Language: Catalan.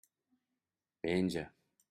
Penja.